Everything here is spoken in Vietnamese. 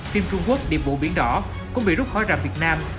phim trung quốc điệp bộ biển đỏ cũng bị rút khỏi rạp việt nam